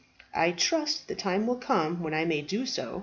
I trust that the time will come when I may do so.